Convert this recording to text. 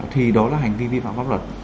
thì đó là hành vi vi phạm pháp luật